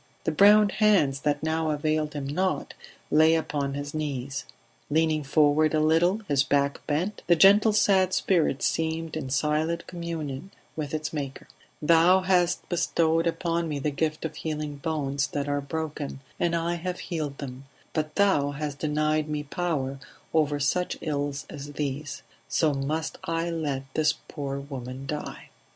The browned hands that now availed him not lay upon his knees; leaning forward a little, his back bent, the gentle sad spirit seemed in silent communion with its maker "Thou hast bestowed upon me the gift of healing bones that are broken, and I have healed them; but Thou hast denied me power over such ills as these; so must I let this poor woman die."